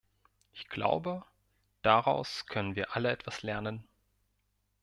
Ich glaube, daraus können wir alle etwas lernen.